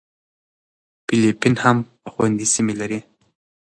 فېلېپین هم خوندي سیمې لري.